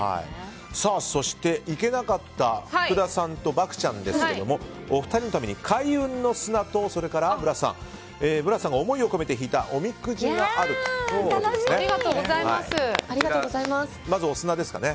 そして行けなかった福田さんと漠ちゃんですがお二人のために開運の砂とブラスさんが思いを込めて引いたおみくじがあるということですね。